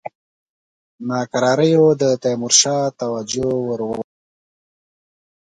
ناکراریو د تیمورشاه توجه ور واړوله.